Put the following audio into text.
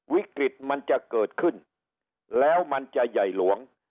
วิกฤตมันจะเกิดขึ้นแล้วมันจะใหญ่หลวง